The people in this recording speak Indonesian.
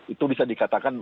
itu bisa dikatakan